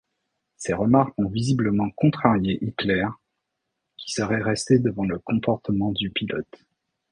Ces remarques ont visiblement contrarié Hitler qui serait resté devant le comportement du pilote.